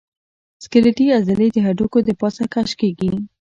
سکلیټي عضلې د هډوکو د پاسه کش کېږي.